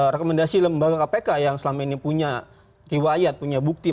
rekomendasi lembaga kpk yang selama ini punya riwayat punya bukti